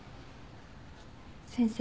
先生。